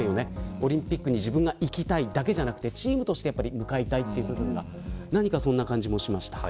オリンピックに自分がいきたいだけではなくてチームとして向かいたいという部分がそんな感じもしました。